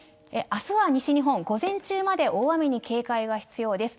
あすは西日本、午前中まで大雨に警戒が必要です。